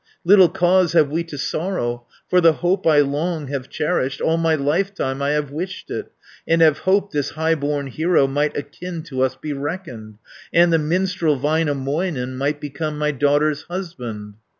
Little cause have we to sorrow, 530 For the hope I long have cherished. All my lifetime I have wished it, And have hoped this high born hero Might akin to us be reckoned, And the minstrel Väinämöinen Might become my daughter's husband."